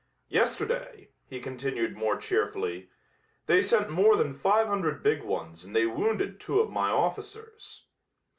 "Yesterday," he continued more cheerfully, "they sent more than five hundred big ones and they wounded two of my officers."